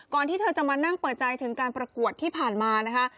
ที่เธอจะมานั่งเปิดใจถึงการประกวดที่ผ่านมานะคะ